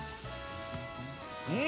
うん！